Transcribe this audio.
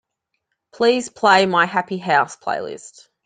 Please play my Happy House playlist.